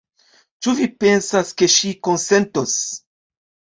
Ĉu vi pensas, ke ŝi konsentos?